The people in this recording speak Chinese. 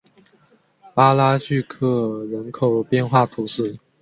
巴拉聚克人口变化图示